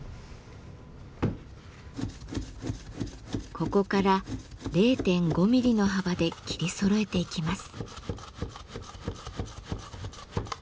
ここから０．５ミリの幅で切りそろえていきます。